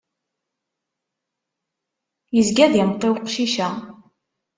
Izga d imeṭṭi uqcic-a.